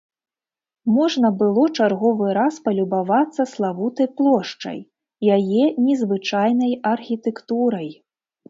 Можна было чарговы раз палюбавацца славутай плошчай, яе незвычайнай архітэктурай.